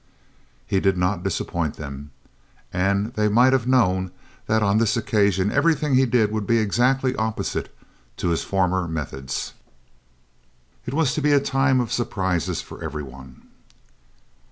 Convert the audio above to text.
He did not disappoint them, and they might have known that on this occasion everything he did would be exactly opposed to his former methods. It was to be a time of surprises for every one.